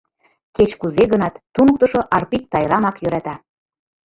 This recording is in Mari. Кеч-кузе гынат, туныктышо Арпик Тайрамак йӧрата...